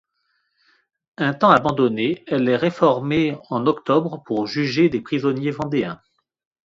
Un temps abandonnée, elle est reformée en octobre pour juger des prisonniers vendéens.